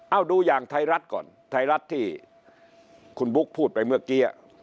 เอาดูอย่างไทยรัฐก่อนไทยรัฐที่คุณบุ๊คพูดไปเมื่อกี้